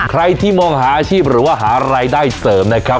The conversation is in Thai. ใครที่มองหาอาชีพหรือว่าหารายได้เสริมนะครับ